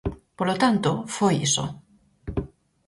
Polo tanto, foi iso.